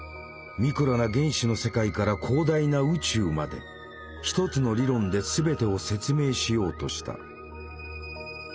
ミクロな原子の世界から広大な宇宙まで一つの理論で全てを説明しようとした。